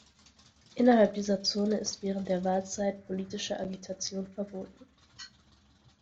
Innerhalb dieser Zone ist während der Wahlzeit politische Agitation verboten.